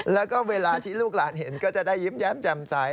แล้วก็เวลาที่ลูกหลานเห็นก็จะได้ยิ้มแย้มแจ่มใส